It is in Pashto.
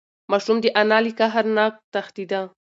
ماشوم د انا له قهر نه تښتېده.